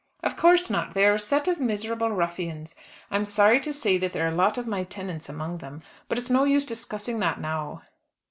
"Of course not; they are a set of miserable ruffians. I'm sorry to say that there are a lot of my tenants among them. But it's no use discussing that now."